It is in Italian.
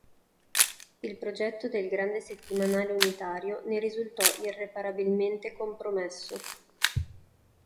Il progetto del grande settimanale unitario ne risultò irreparabilmente compromesso.